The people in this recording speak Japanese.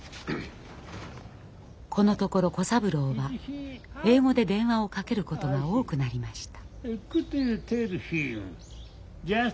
このところ小三郎は英語で電話をかけることが多くなりました。